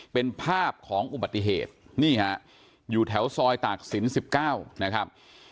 เป็นภาพของอุบัติเหตุนี่ฮะอยู่แถวซอยตากศิลป์๑๙นะครับ